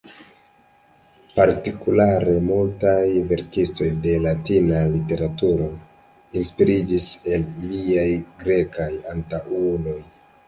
Partikulare, multaj verkistoj de Latina literaturo inspiriĝis el iliaj grekaj antaŭuloj.